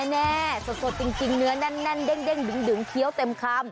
แน่สดจริงเนื้อแน่นเด้งดึงเคี้ยวเต็มคำ